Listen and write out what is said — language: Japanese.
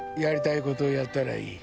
やりたいことやったらいい。